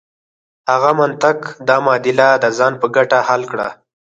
هغه منطق دا معادله د ځان په ګټه حل کړه.